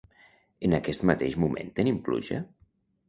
En aquest mateix moment tenim pluja?